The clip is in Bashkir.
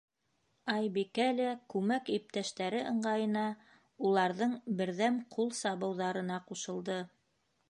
Айбикә лә күмәк иптәштәре ыңғайына уларҙың берҙәм ҡул сабыуҙарына ҡушылды.